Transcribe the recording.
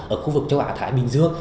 ở khu vực châu á thái bình dương